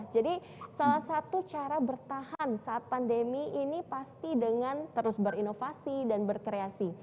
jadi salah satu cara bertahan saat pandemi ini pasti dengan terus berinovasi dan berkreasi